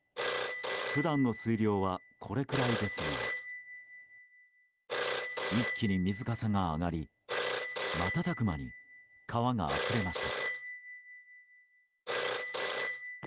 普段の水量はこれくらいですが一気に水かさが上がり瞬く間に川があふれました。